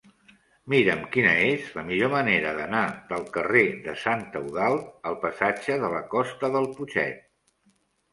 Mira'm quina és la millor manera d'anar del carrer de Sant Eudald al passatge de la Costa del Putxet.